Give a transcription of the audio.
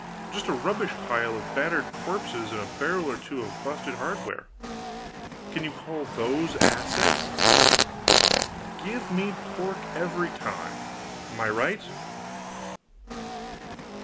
Just a rubbish pile of battered corpses and a barrel or two of busted hardware. Can you call those assets? Give me pork, every time. Am I right?"